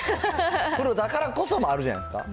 プロだからこそもあるじゃないですか。